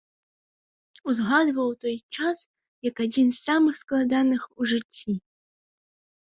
Узгадваў той час як адзін самых складаных у жыцці.